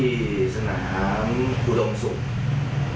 มีทั้งสนามเทพภาษาดินสนามทัพบกที่สนามอุดมศุกร์